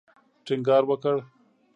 ټینګار وکړ.